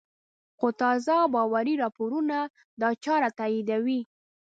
خو تازه او باوري راپورونه دا چاره تاییدوي